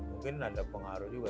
mungkin ada pengaruh juga